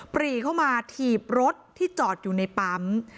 ปรีเข้ามาถีบรถที่จอดอยู่ในปั๊ม